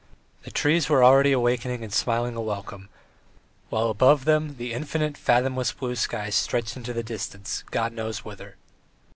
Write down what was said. The trees were already awakening and smiling a welcome, while above them the infinite, fathomless blue sky stretched into the distance, God knows whither.